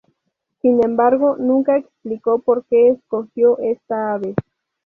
Sin embargo nunca explicó porque escogió esta ave.